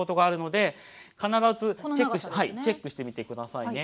チェックしてみてくださいね。